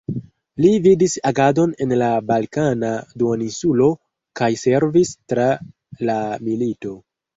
Li vidis agadon en la Balkana duoninsulo, kaj servis tra la milito.